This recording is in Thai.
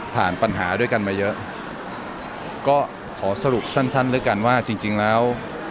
ผ่านปัญหาด้วยกันมาเยอะก็ขอสรุปสั้นแล้วกันว่าจริงแล้ว